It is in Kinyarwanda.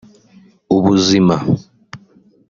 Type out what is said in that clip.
ubuzima